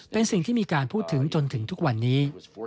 เป็นสิ่งที่มีการพูดถึงจนถึงทุกวันนี้